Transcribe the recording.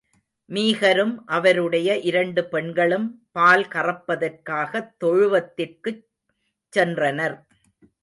மீகரும் அவருடைய இரண்டு பெண்களும் பால் கறப்பதற்காகத் தொழுவத்திற்குச் சென்றனர்.